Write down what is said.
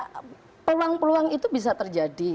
nah peluang peluang itu bisa terjadi